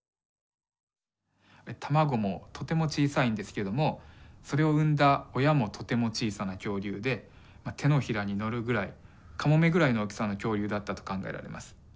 卵もとても小さいんですけどもそれを産んだ親もとても小さな恐竜で手のひらに乗るぐらいカモメぐらいの大きさの恐竜だったと考えられます。